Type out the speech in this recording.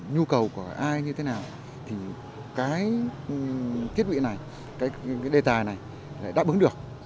nhu cầu của ai như thế nào thì cái thiết bị này cái đề tài này đã bứng được